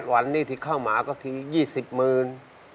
๗๘วันที่เข้ามาก็ที๒๐หมื่น